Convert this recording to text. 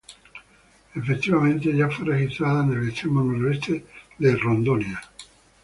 Efectivamente, ya fue registrada en el extremo noreste de Rondônia.